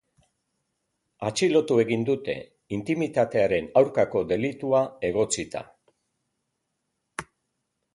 Atxilotu egin dute, intimitatearen aurkako delitua egotzita.